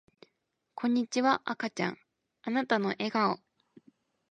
こんにちは赤ちゃんあなたの笑顔